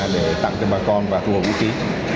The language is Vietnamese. để tặng cho bà con và thu hồi vũ khí